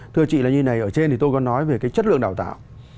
thưa chị là như này ở trên thì tôi có nói về cái chất lượng đào tạo